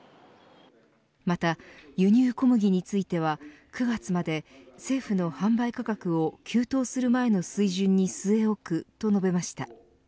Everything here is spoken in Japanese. また、輸入小麦については９月まで政府の販売価格を急騰する前の水準に据え置くと述べました。